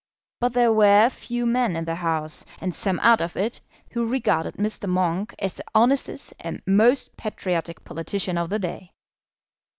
But there were a few men in the House, and some out of it, who regarded Mr. Monk as the honestest and most patriotic politician of the day.